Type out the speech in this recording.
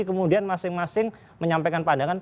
kemudian masing masing menyampaikan pandangan